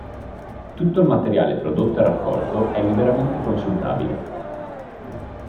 Tutto il materiale prodotto e raccolto è liberamente consultabile.